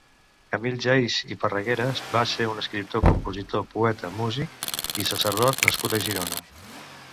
Camil Geis i Parragueras va ser un escriptor, compositor, poeta, músic i sacerdot nascut a Girona.